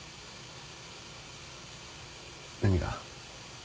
何が？